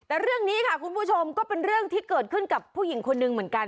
แต่เรื่องนี้ค่ะคุณผู้ชมก็เป็นเรื่องที่เกิดขึ้นกับผู้หญิงคนนึงเหมือนกัน